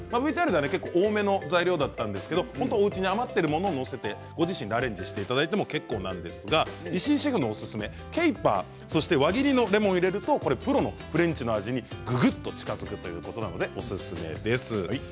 ＶＴＲでは多めの材料だったんですが、おうちで余っているものを載せてご自身でアレンジしていただければ結構なんですが石井シェフおすすめのケイパー、輪切りのレモンを入れるとプロのフレンチの味にぐぐっと近づくということなのでおすすめです。